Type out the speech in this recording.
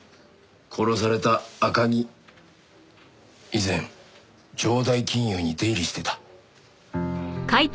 殺された赤城以前城代金融に出入りしてた。